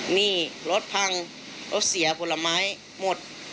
นี่รถพังรถเสียผลไม้หมด